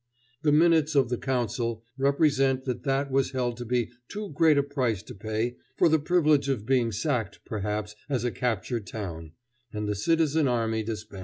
The minutes of the council represent that that was held to be too great a price to pay for the privilege of being sacked, perhaps, as a captured town; and the citizen army disbanded.